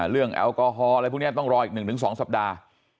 แอลกอฮอล์อะไรพวกนี้ต้องรออีก๑๒สัปดาห์